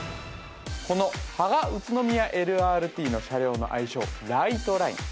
この芳賀・宇都宮ＬＲＴの車両の愛称「ライトライン」